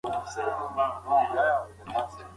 معلم صاحب ثمر ګل ته د نوي لور د اخیستلو مشوره ورکړه.